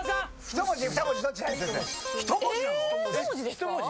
１文字。